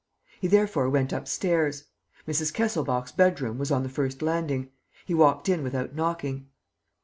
He therefore went upstairs. Mrs. Kesselbach's bedroom was on the first landing. He walked in without knocking.